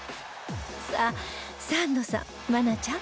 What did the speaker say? さあサンドさん愛菜ちゃん